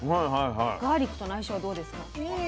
ガーリックとの相性はどうですか？